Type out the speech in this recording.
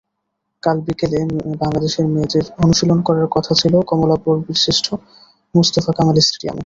কাল বিকেলে বাংলাদেশের মেয়েদের অনুশীলন করার কথা ছিল কমলাপুর বীরশ্রেষ্ঠ মোস্তফা কামাল স্টেডিয়ামে।